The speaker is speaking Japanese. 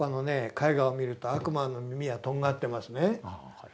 絵画を見ると悪魔の耳はとんがってますね。